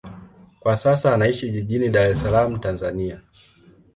Kwa sasa anaishi jijini Dar es Salaam, Tanzania.